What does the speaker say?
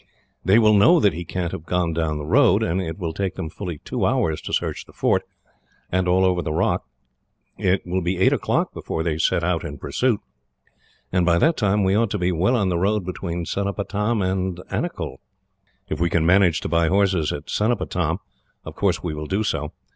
They will know that he can't have gone down the road, and it will take them fully two hours to search the fort, and all over the rock. It will be eight o'clock before they set out in pursuit, and by that time we ought to be well on the road between Cenopatam and Anicull. "If we can manage to buy horses at Cenopatam, of course we will do so.